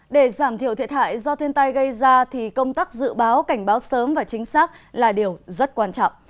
để giảm thiểu thiệt hại do thiên tai gây ra thì công tác dự báo cảnh báo sớm và chính xác là điều rất quan trọng